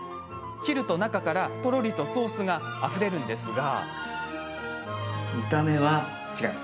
切ると、中からとろりとソースがあふれるんですが。